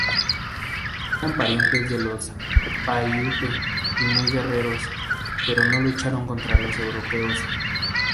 Eran parientes de los paiute y muy guerreros, pero no lucharon contra los europeos.